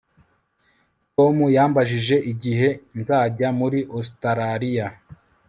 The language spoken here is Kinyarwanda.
Tom yambajije igihe nzajya muri Ositaraliya